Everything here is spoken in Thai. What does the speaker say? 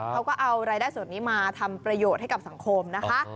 เขาก็เอารายได้ส่วนนี้มาทำประโยชน์ให้กับสังคมนะคะ